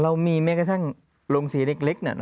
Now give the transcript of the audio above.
เรามีแม้กระทั่งโรงศรีเล็ก